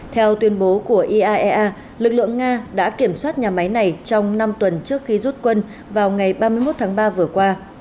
theo tuyên bố của iaea lực lượng nga đã kiểm soát nhà máy này trong năm tuần trước khi rút quân vào ngày ba mươi một tháng ba vừa qua